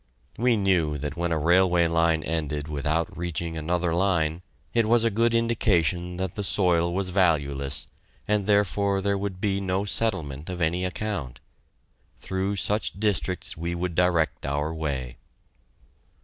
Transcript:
We knew that when a railway line ended without reaching another line, it was a good indication that the soil was valueless, and therefore there would be no settlement of any account. Through such districts we would direct our way.